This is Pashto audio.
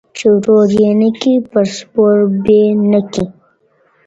¬ چي ورور ئې نه کې، پر سپور بې نه کې.